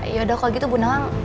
yaudah kalau gitu bu nana